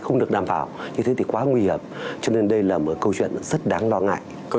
không được đảm bảo như thế thì quá nguy hiểm cho nên đây là một câu chuyện rất đáng lo ngại